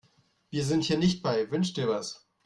Wir sind hier nicht bei Wünsch-dir-was.